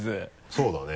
そうだね。